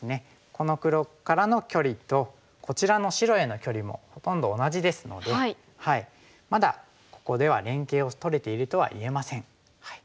この黒からの距離とこちらの白への距離もほとんど同じですのでまだここでは連携をとれているとは言えません。